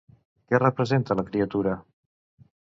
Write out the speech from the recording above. Què representa la criatura?